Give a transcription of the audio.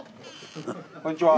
こんにちは。